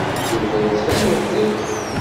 Yuba yettban d uḥdiq.